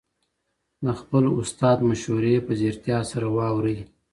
د خپل استاد مشورې په ځیرتیا سره واورئ.